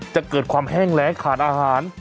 จะเกิดความแห้งแรงขาดอาหาร